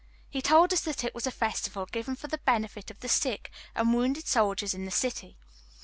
He told us that it was a festival given for the benefit of the sick and wounded soldiers in the city.